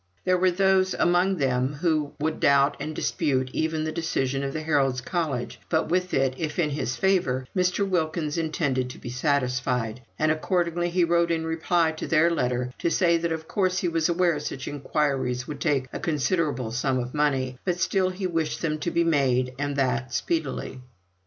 There were those among them who would doubt and dispute even the decision of the Heralds' College; but with it, if in his favour, Mr. Wilkins intended to be satisfied, and accordingly he wrote in reply to their letter to say, that of course he was aware such inquiries would take a considerable sum of money, but still he wished them to be made, and that speedily.